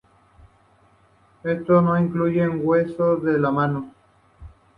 Estos no incluyen huesos de la mano.